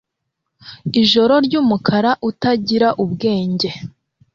Ijoro ryumukara utagira ubwenge